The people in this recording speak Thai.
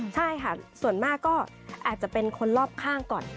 ใช่ค่ะส่วนมากก็อาจจะเป็นคนรอบข้างก่อน